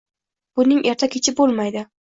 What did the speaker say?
Buning erta kechi bo’lmaydi.